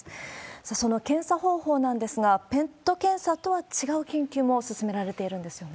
さあ、その検査方法なんですが、ＰＥＴ検査とは違う研究も進められているんですよね。